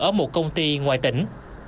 ở một công ty ngoài tỉnh